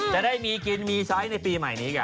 จะได้มีกินมีใช้ในปีใหม่นี้กัน